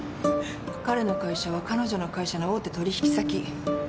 彼の会社は彼女の会社の大手取引先。